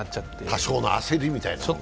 多少の焦りみたいなのがね。